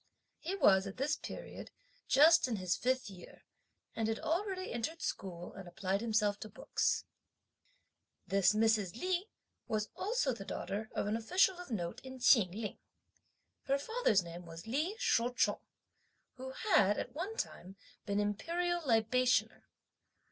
He was, at this period, just in his fifth year, and had already entered school, and applied himself to books. This Mrs. Li was also the daughter of an official of note in Chin Ling. Her father's name was Li Shou chung, who had, at one time, been Imperial Libationer.